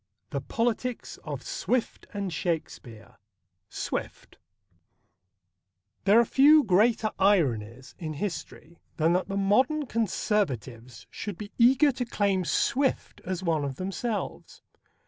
XIV. THE POLITICS OF SWIFT AND SHAKESPEARE (1) SWIFT There are few greater ironies in history than that the modern Conservatives should be eager to claim Swift as one of themselves.